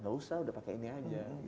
gak usah udah pakai ini aja